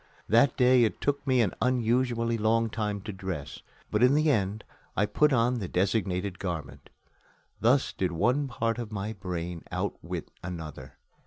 That day it took me an unusually long time to dress, but in the end I put on the designated garment. Thus did one part of my brain outwit another.